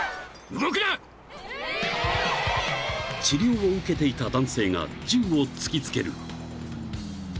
［治療を受けていた男性が銃を突き付ける］